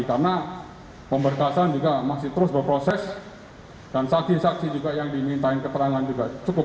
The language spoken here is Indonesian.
karena pemberkasan juga masih terus berproses dan saksi saksi juga yang dimintain keterangan juga cukup